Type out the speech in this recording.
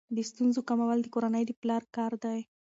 د ستونزو کمول د کورنۍ د پلار کار دی.